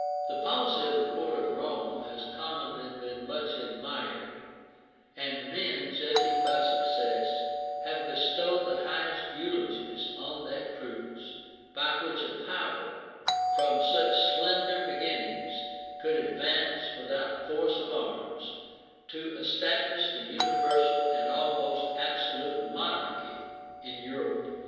[*][* Eadmer, p. 81.] The policy of the court of Rome has commonly been much admired; and men, judging by success, have bestowed the highest eulogies on that prudence by which a power, from such slender beginnings, could advance, without force of arms, to establish a universal and almost absolute monarchy in Europe.